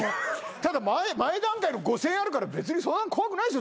ただ前段階の５，０００円あるから別にそんな怖くないでしょゼロだって。